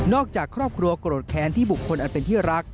จากครอบครัวโกรธแค้นที่บุคคลอันเป็นที่รัก